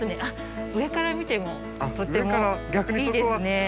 あっ上から見てもとってもいいですね。